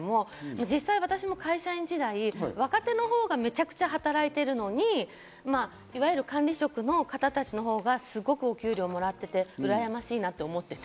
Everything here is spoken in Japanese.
実際、私も会社員時代、若手のほうがむちゃくちゃ働いてるのに、いわゆる管理職の方たちのほうがすごくお給料をもらっていて、うらやましいなと思っていて。